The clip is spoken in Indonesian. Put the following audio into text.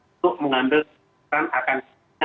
untuk mengambil kesempatan akan